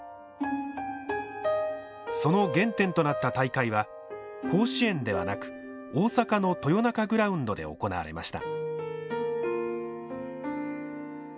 その原点となった大会は甲子園ではなく大阪の豊中グラウンドで行われました。